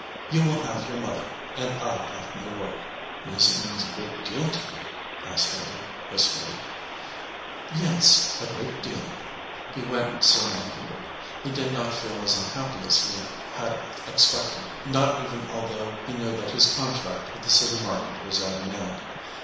You will have your mother, and I have my work." "Music means a great deal to you?" asked Henry, wistfully. "Yes, a great deal," said Adela. He went soon afterward. He did not feel as unhappy as he had expected, not even although he knew that his contract with the city market was at an end.